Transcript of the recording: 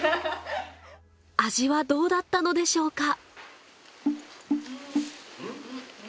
味はどうだったのでしょうか？